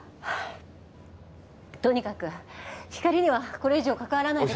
とにかくひかりにはこれ以上かかわらないで。